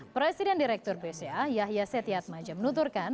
presiden direktur bca yahya setiat maja menuturkan